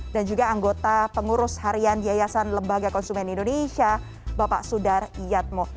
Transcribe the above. dan juga anggota pengurus harian diyasan lembaga konsumen indonesia bapak sudar iyadmo